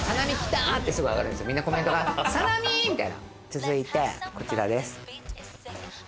続いてこちらです。